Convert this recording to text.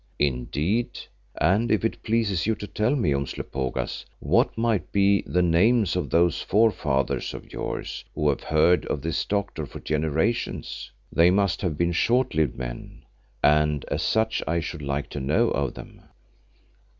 "Indeed, and if it pleases you to tell me, Umslopogaas, what might be the names of those forefathers of yours, who have heard of this doctor for generations? They must have been short lived men and as such I should like to know of them."